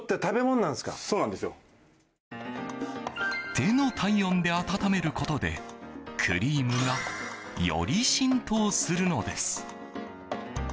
手の体温で温めることでクリームがより浸透するのです。